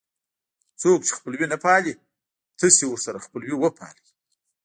څوک چې خپلوي نه پالي تاسې ورسره خپلوي وپالئ.